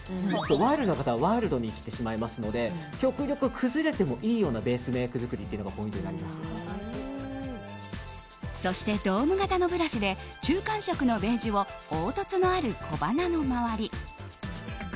ワイルドな方はワイルドに生きてしまいますので極力崩れてもいいようなベースメイク作りがそして、ドーム形のブラシで中間色のベージュを凹凸のある小鼻の周り。